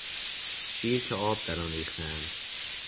شیر که آب در آن ریختهاند